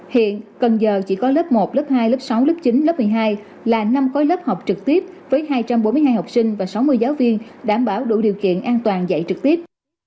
hiện cần giờ chỉ có lớp một lớp hai lớp sáu lớp chín lớp một mươi hai là năm khối lớp học trực tiếp với hai trăm bốn mươi hai học sinh và sáu mươi giáo viên đảm bảo đủ điều kiện an toàn dạy trực tiếp